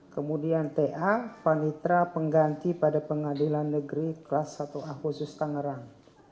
kemudian ta panitra pengganti pada pengadilan negeri kelas satu a khusus tangerang